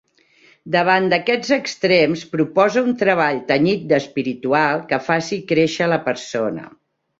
Davant d'aquests extrems, proposa un treball tenyit d'espiritual, que faci créixer la persona.